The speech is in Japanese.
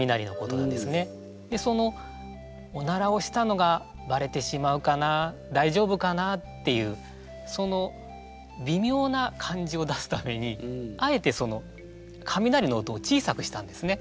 そのおならをしたのがバレてしまうかな大丈夫かなっていうそのびみょうな感じを出すためにあえてその雷の音を小さくしたんですね。